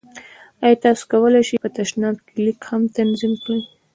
ایا تاسو کولی شئ په تشناب کې لیک هم تنظیم کړئ؟